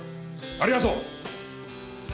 ありがとう！